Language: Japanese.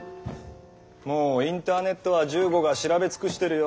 もうインターネットは十五が調べ尽くしてるよ。